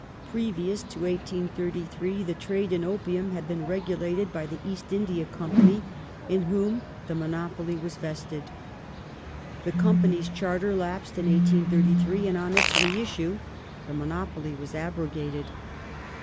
Previous to 1833 the trade in opium had been regulated by the East India Company, in whom the monopoly was vested. The Company's Charter lapsed in 1833, and on its reissue the monopoly was abrogated.